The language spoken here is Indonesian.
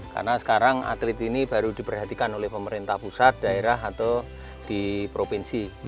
karena sekarang atlet ini baru diperhatikan oleh pemerintah pusat daerah atau di provinsi